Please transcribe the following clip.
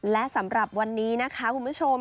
และสำหรับวันนี้นะคะคุณผู้ชม